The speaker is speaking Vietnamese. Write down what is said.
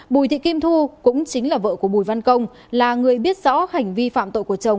bùi thị kim thu cũng chính là vợ của bùi văn công là người biết rõ hành vi phạm tội của chồng